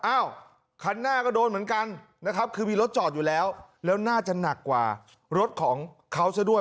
อ้าวคันหน้าก็โดนเหมือนกันนะครับคือมีรถจอดอยู่แล้วแล้วน่าจะหนักกว่ารถของเขาซะด้วย